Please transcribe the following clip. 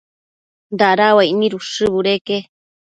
dada uaic nid ushë budeque